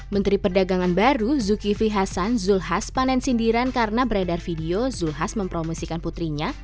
menteri perdagangan baru zulkifli hasan zulhas panen sindiran karena beredar video zulhas mempromosikan putrinya